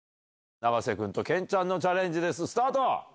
永瀬君と健ちゃんのチャレンジスタート！